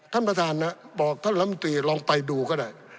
ท่านประธานนะบอกท่านลำตีลองไปดูก็ได้